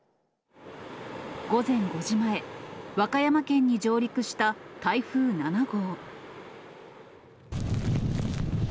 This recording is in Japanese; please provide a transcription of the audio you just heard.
午前５時前、和歌山県に上陸した台風７号。